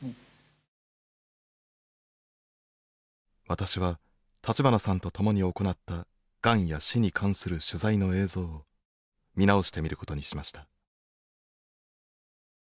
私は立花さんと共に行ったがんや死に関する取材の映像を見直してみることにしました。